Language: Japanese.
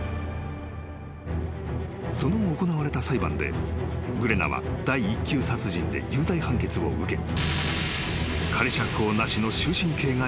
［その後行われた裁判でグレナは第一級殺人で有罪判決を受け仮釈放なしの終身刑が言い渡された］